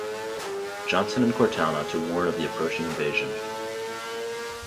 Johnson and Cortana to warn of the approaching invasion.